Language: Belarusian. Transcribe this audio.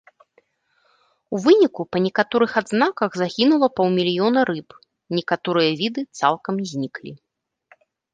У выніку па некаторых адзнаках загінула паўмільёна рыб, некаторыя віды цалкам зніклі.